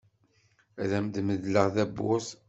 Ad am-medleɣ tawwurt.